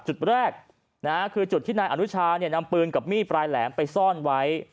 จุดแรกคือจุดที่นายอนุชานำปืนกับมีดปลายแหลมไปซ่อนไว้